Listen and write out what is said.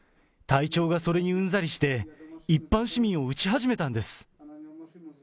隊長がそれにうんざりして、一般市民を撃ち始めたんです。